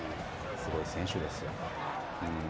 すごい選手ですよ。